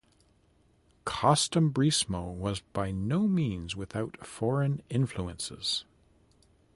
"Costumbrismo" was by no means without foreign influences.